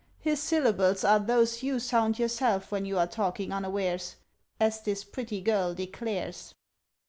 His syllables Are those you sound yourself when you are talking unawares, As this pretty girl declares."